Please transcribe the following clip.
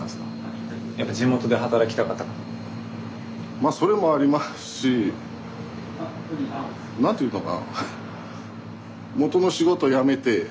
まあそれもありますし何て言うのか。